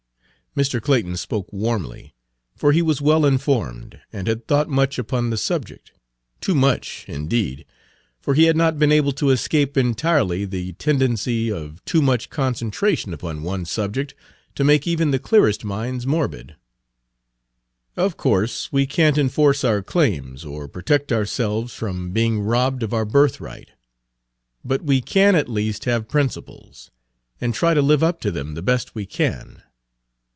Mr. Clayton spoke warmly, for he was well informed, and had thought much upon the subject; too much, indeed, for he had not been able to escape entirely the tendency of too much concentration upon one subject to make even the clearest minds morbid. "Of course we can't enforce our claims, or protect ourselves from being robbed of our birthright; but we can at least have principles, and try to live up to them the best we can.